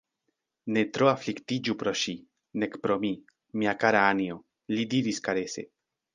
Ne tro afliktiĝu pro ŝi, nek pro mi, mia kara Anjo, li diris karese.